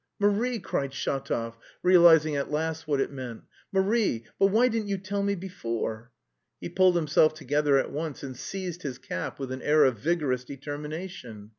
"Marie," cried Shatov, realising at last what it meant. "Marie... but why didn't you tell me before." He pulled himself together at once and seized his cap with an air of vigorous determination.